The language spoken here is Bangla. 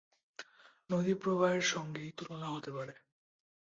নদীপ্রবাহের সঙ্গেই তুলনা হতে পারে।